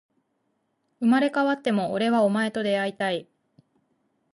生まれ変わっても、俺はお前と出会いたい